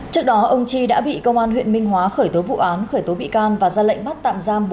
trước đó ông chi đã bị công an huyện minh hóa khởi tố vụ án khởi tố bị can và ra lệnh bắt tạm giam